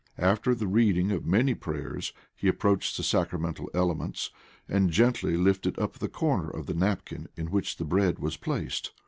After the reading of many prayers, he approached the sacramental elements, and gently lifted up the corner of the napkin in which the bread was placed.